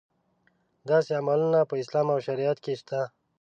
داسې عملونه په اسلام او شریعت کې شته.